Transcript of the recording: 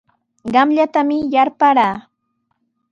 Qamllatami yarparaa.